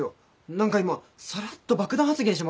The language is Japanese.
何か今さらっと爆弾発言しませんでした？